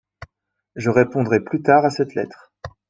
Je répondrai plus tard à cette lettre.